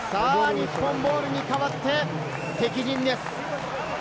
日本ボールに代わって敵陣です。